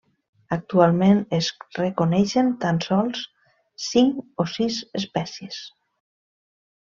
Actualment, es reconeixen tan sols cinc o sis espècies.